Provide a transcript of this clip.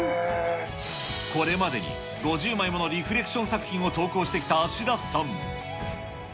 これまでに５０枚ものリフレクション作品を投稿してきた芦田さん。